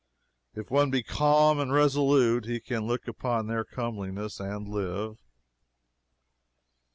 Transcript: If one be calm and resolute he can look upon their comeliness and live.